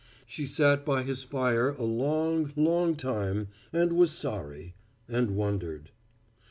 She sat by his fire a long, long time and was sorry and wondered.